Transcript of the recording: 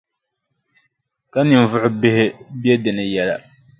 Ka ninvuɣʼ bihi be di ni yɛla.